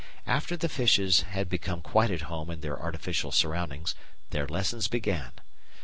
After the fishes had become quite at home in their artificial surroundings, their lessons began.